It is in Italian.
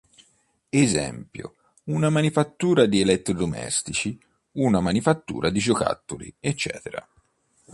Esempio: una manifattura di elettrodomestici, una manifattura di giocattoli, ecc.